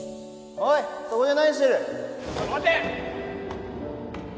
おい待て！